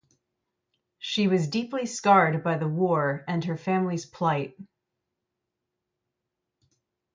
She was deeply scarred by the war and her family's plight.